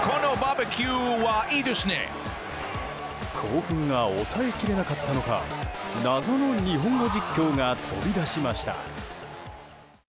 興奮が抑えきれなかったのか謎の日本語実況が飛び出しました。